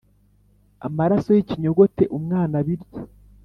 amaraso y’ikinyogote umwana abirye